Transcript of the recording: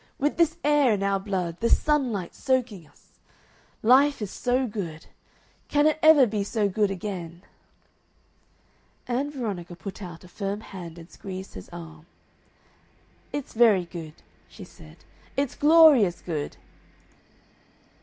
With this air in our blood, this sunlight soaking us.... Life is so good. Can it ever be so good again?" Ann Veronica put out a firm hand and squeezed his arm. "It's very good," she said. "It's glorious good!"